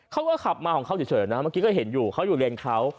เขาก็ขับมาของเขาเฉยนะเมื่อกี้ก็เห็นอยู่เขาอยู่เลนเขา